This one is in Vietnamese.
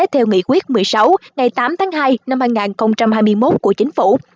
theo nghị quyết một mươi sáu ngày tám tháng hai năm hai nghìn hai mươi một của chính phủ